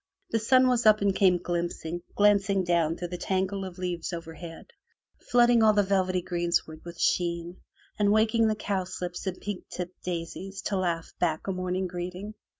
The sun was up and came glimpsing, glancing down through the tangle of leaves overhead, flooding all the velvety greensward with sheen, and waking the cowslips and pink tipped daisies to laugh back a morning greeting.